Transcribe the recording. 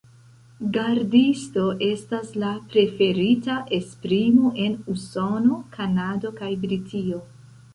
Gardisto estas la preferita esprimo en Usono, Kanado, kaj Britio.